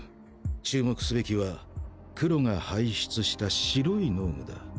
注目すべきは黒が排出した白い脳無だ。